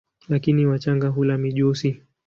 Lakini wachanga hula mijusi.